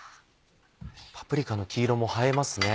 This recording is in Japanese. パプリカの黄色も映えますね。